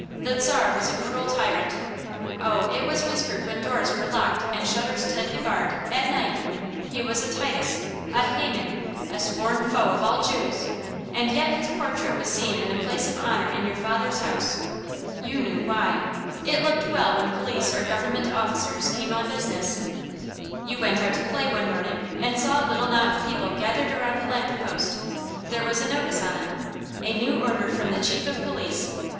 The Czar was a cruel tyrant, oh, it was whispered when doors were locked and shutters tightly barred, at night, he was a Titus, a Haman, a sworn foe of all Jews, and yet his portrait was seen in a place of honor in your father's house. You knew why. It looked well when police or government officers came on business. You went out to play one morning, and saw a little knot of people gathered around a lamp post. There was a notice on it a new order from the chief of police.